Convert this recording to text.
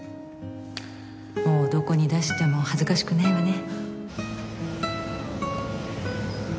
もうどこに出しても恥ずかしくないわね。